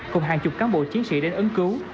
cùng hàng chục cán bộ chiến sĩ đến ứng cứu